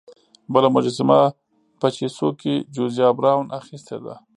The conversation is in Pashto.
بله مجسمه په چیسوک کې جوزیا براون اخیستې ده.